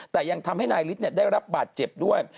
แต่ยังทำให้นายฤทธิ์ได้รับบาดเจ็บด้วย